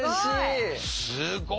すごい。